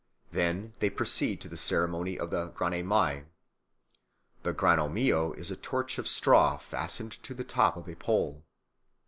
Then they proceed to the ceremony of the Grannas mias. A granno mio is a torch of straw fastened to the top of a pole.